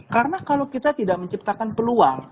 karena kalau kita tidak menciptakan peluang